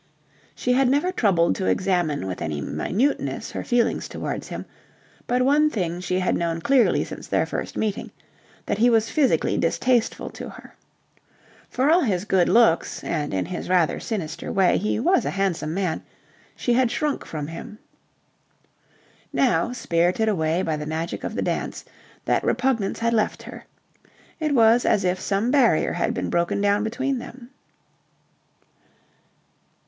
She had never troubled to examine with any minuteness her feelings towards him: but one thing she had known clearly since their first meeting that he was physically distasteful to her. For all his good looks, and in his rather sinister way he was a handsome man, she had shrunk from him. Now, spirited away by the magic of the dance, that repugnance had left her. It was as if some barrier had been broken down between them.